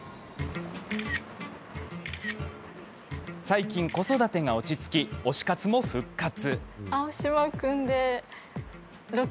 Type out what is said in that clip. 最近、子育てが落ち着き推し活も復活。